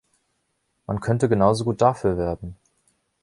Man könnte genauso gut dafür werben.